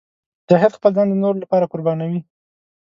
مجاهد خپل ځان د نورو لپاره قربانوي.